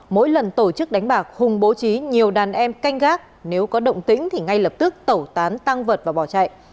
mỗi lần tổ chức đánh bạc hùng bố trí nhiều đàn em canh gác nếu có động tĩnh thì ngay lập tức tẩu tán tăng vật và bỏ chạy